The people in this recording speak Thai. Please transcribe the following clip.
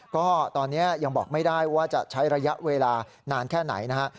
ก็ตอนนี้ยังบอกไม่ได้ว่าจะใช้ระยะเวลานานแค่ไหนนะฮะ